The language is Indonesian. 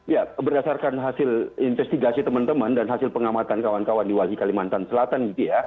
ya berdasarkan hasil investigasi teman teman dan hasil pengamatan kawan kawan di walhi kalimantan selatan gitu ya